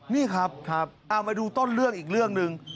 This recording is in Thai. นี่ครับเอามาดูต้นเรื่องอีกเรื่องหนึ่ง